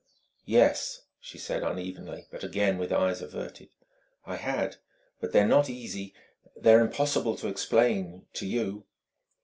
"Yes," she said unevenly, but again with eyes averted "I had; but they're not easy, they're impossible to explain to you."